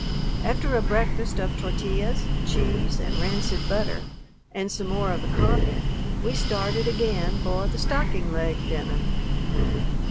After a breakfast of tortillas, cheese, and rancid butter, and some more of the coffee, we started again for the stocking leg dinner.